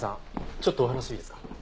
ちょっとお話いいですか？